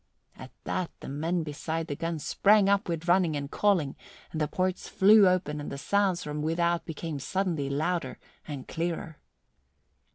At that the men beside the guns sprang up with running and calling and the ports flew open and the sounds from without became suddenly louder and clearer.